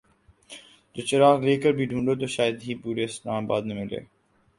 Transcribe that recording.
جو چراغ لے کر بھی ڈھونڈو تو شاید ہی پورے اسلام آباد میں ملے ۔